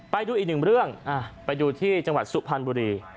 ไปดูอีกหนึ่งเรื่องไปดูที่จังหวัดสุพรรณบุรี